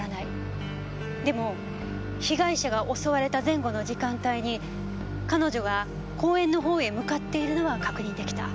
でも被害者が襲われた前後の時間帯に彼女が公園の方へ向かっているのは確認できた。